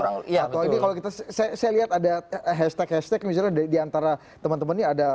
saya lihat ada hashtag hashtag misalnya diantara teman teman ini ada